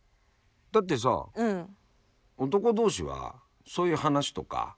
だってさ男同士はそういう話とか。